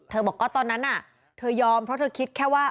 บอกก็ตอนนั้นน่ะเธอยอมเพราะเธอคิดแค่ว่า